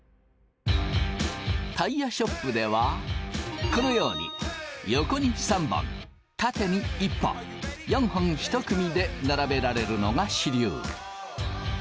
タイヤショップではこのように横に３本縦に１本４本１組で並べられるのが主流。